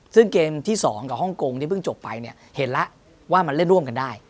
ซึ่งเกมที่๒กับฮ่องกงที่เพิ่งจบไปเนี่ยเห็นแล้วว่ามันเล่นร่วมกันได้